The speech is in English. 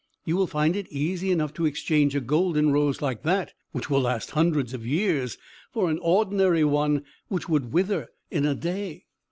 You will find it easy enough to exchange a golden rose like that (which will last hundreds of years) for an ordinary one which would wither in a day."